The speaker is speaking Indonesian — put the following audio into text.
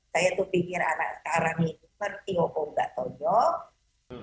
saya tuh pikir anak sekarang ini seperti opo opo gak tonyok